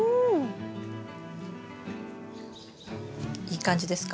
いい感じですか？